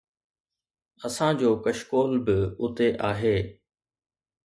اسان جو ڪشڪول به اتي آهي.